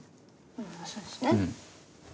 まぁそうですね。